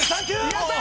やった！